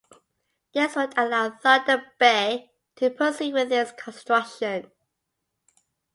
This would allow Thunder Bay to proceed with its construction.